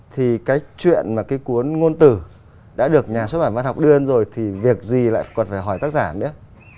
thì cái chuyện mà cái cuốn ngôn tử đã được nhà xuất bản văn học đưa lên rồi thì việc gì lại còn phải hỏi tác giả nữa